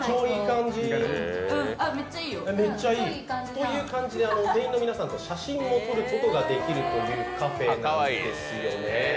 こういう感じで店員の皆さんと写真を撮ることができるというカフェなんですよね。